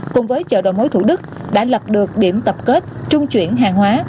cùng với chợ đầu mối thủ đức đã lập được điểm tập kết trung chuyển hàng hóa